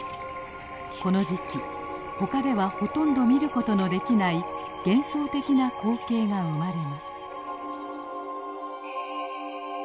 この時期他ではほとんど見ることのできない幻想的な光景が生まれます。